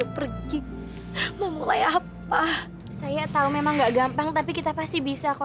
permisi selamat pagi